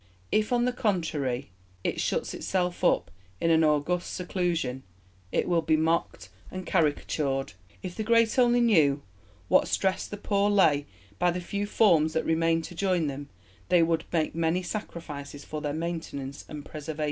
If, on the contrary, it shuts itself up in an august seclusion, it will be mocked and caricatured ... if the great only knew what stress the poor lay by the few forms that remain, to join them they would make many sacrifices for their maintenance and preservation."